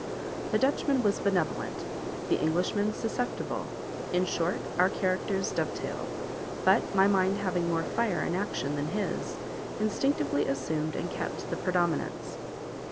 The Dutchman was benevolent, the Englishman susceptible; in short our characters dovetailed, but my mind having more fire and action than his, instinctively assumed and kept the predominance.